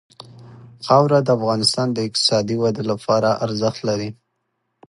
خاوره د افغانستان د اقتصادي ودې لپاره ارزښت لري.